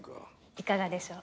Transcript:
いかがでしょう？